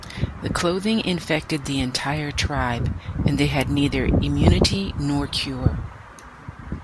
The clothing infected the entire tribe, and they had neither immunity nor cure.